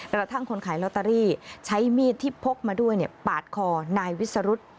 กระทั่งคนขายลอตเตอรี่ใช้มีดที่พกมาด้วยปาดคอนายวิสรุธ